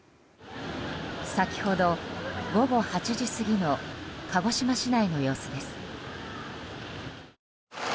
先ほど午後８時過ぎの鹿児島市内の様子です。